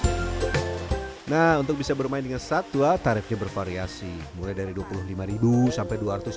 urgensi konservasi nah untuk bisa bermain dengan satwa tarifnya bervariasi mulai dari dua puluh lima sampai